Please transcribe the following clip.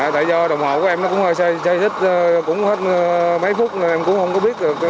tại do đồng hồ của em nó cũng hơi dây thích cũng hết mấy phút em cũng không có biết được